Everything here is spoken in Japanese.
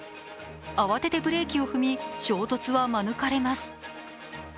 慌ててブレーキを踏み、衝突は免れます。